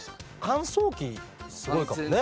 乾燥機すごいかもね。